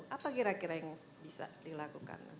apa kira kira yang bisa dilakukan